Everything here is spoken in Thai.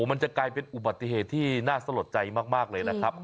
มันจะกลายเป็นอุบัติเหตุที่น่าสลดใจมากเลยนะครับ